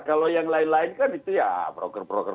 kalau yang lain lain kan itu ya broker broker